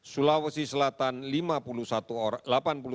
sulawesi selatan lima puluh satu orang